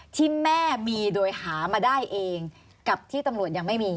ที่แม่มีโดยหามาได้เองกับที่ตำรวจยังไม่มี